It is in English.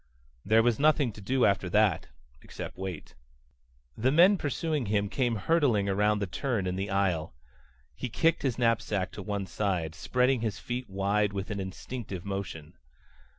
There was nothing to do after that except wait. The men pursuing him came hurtling around the turn in the aisle. He kicked his knapsack to one side, spreading his feet wide with an instinctive motion.